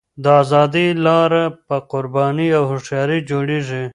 د ازادۍ لاره په قربانۍ او هوښیارۍ جوړېږي.